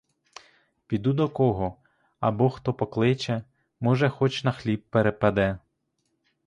Піду до кого, або хто покличе — може, хоч на хліб перепаде!